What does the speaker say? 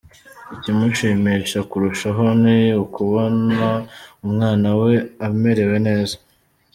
Ikimushimisha kurushaho, ni ukubona umwana we amerewe neza.